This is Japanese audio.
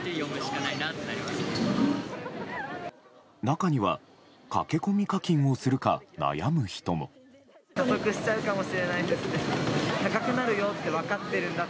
中には駆け込み課金をするか悩む人も。